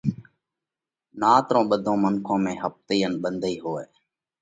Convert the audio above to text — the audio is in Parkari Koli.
نات رون ٻڌون منکون ۾ ۿپتئِي ان ٻنڌئِي هوئہ۔